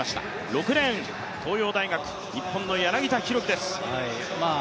６レーン、東洋大学、日本の柳田大輝です。